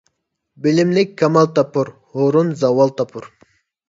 بىلىملىك كامال تاپۇر، ھۇرۇن زاۋال تاپۇر.